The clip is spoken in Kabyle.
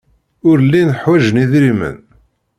Ur llin ḥwajen idrimen.